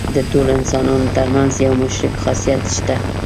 د ټولو انسانانو تر منځ یو مشترک خاصیت شته.